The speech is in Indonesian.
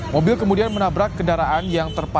mobil kemudian menabrak kendaraan yang terlalu jauh